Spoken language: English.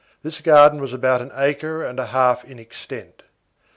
This garden was about an acre and a half in extent.